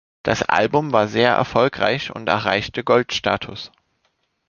Das Album war sehr erfolgreich und erreichte Goldstatus.